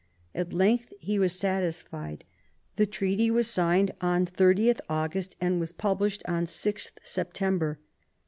At length he was satisfied. The treaty was signed on dOth August, and was published on 6th Sep tember.